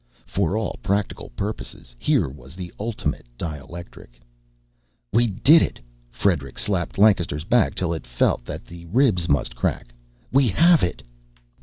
For all practical purposes, here was the ultimate dielectric. "We did it!" Friedrichs slapped Lancaster's back till it felt that the ribs must crack. "We have it!"